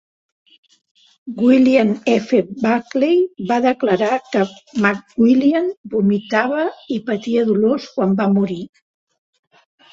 William F. Buckley va declarar que McWilliams vomitava i patia dolors quan va morir.